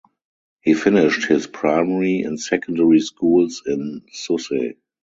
He finished his primary and secondary schools in Sousse.